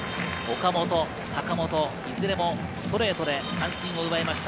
岡本、坂本、いずれもストレートで三振を奪いました。